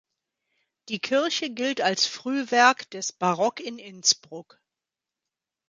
Die Kirche gilt als Frühwerk des Barock in Innsbruck.